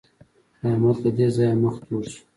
د احمد له دې ځايه مخ تور شو.